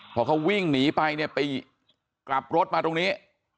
พอเขาวิ่งหนีไปเนี่ยไปกลับรถมาตรงนี้